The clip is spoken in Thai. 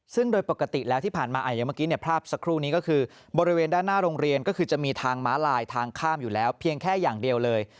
ซึ่งโดยปกติแล้วที่ผ่านมาอย่างเมื่อกี้ภาพสักครู่นี้ก็คือบริเวณด้านหน้าโรงเรียนก็คือจะมีทางม้าลายทางข้ามอยู่แล้วเพียงแค่อย่างเดียวเลย